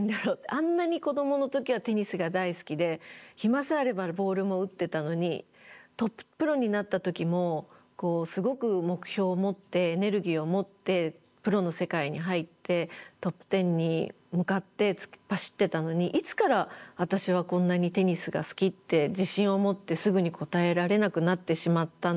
あんなに子どもの時はテニスが大好きで暇さえあればボールも打ってたのにトッププロになった時もすごく目標を持ってエネルギーを持ってプロの世界に入ってトップ１０に向かって突っ走ってたのにいつから私はこんなにテニスが好きって自信を持ってすぐに答えられなくなってしまったんだろう。